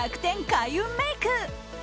開運メイク。